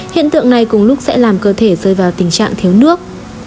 hiện tượng này cùng lúc sẽ làm cơ thể rơi vào tình trạng thiếu nước